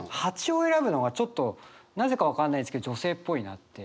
蜂を選ぶのがちょっとなぜか分かんないですけど女性っぽいなって。